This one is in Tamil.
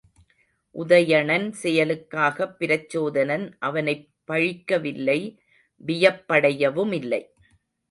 உதயணன் செயலுக்காகப் பிரச்சோதனன் அவனைப் பழிக்கவில்லை வியப்படையவுமில்லை.